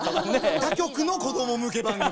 他局の子ども向け番組。